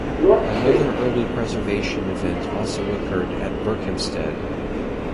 Another early preservation event also occurred at Berkhamsted.